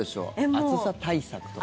暑さ対策とか。